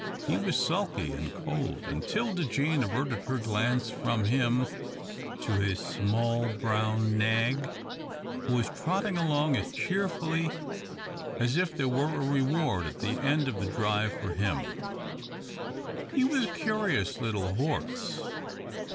He was sulky and cold, and 'Tilda Jane averted her glance from him to his small brown nag, who was trotting along as cheerfully as if there were a reward at the end of the drive for him. He was a curious little horse.